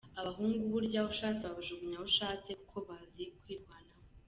Abahungu burya ushatse wabajugunya aho ushatse kuko bazi kwirwanaho.